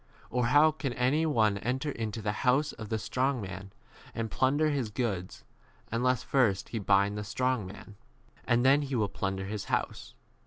Or how can any one enter into the house of the strong man and plunder his goods, unless first he bind the strong man ? and then he will 30 plunder his house.